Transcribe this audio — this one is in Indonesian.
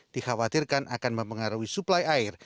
dikhawatirkan akan mempengaruhi suplai air